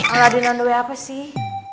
ala di nondowen apa sih